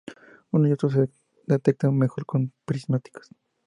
Unos y otros se detectan mejor con prismáticos.